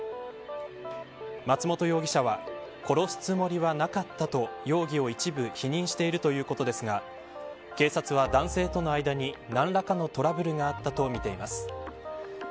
松元容疑者は殺すつもりはなかったと容疑を一部否認しているということですが警察は、男性との間に何らかのトラブルがあったとみています。